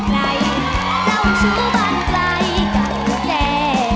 ในเจ้าชุบันไกลกับแจ่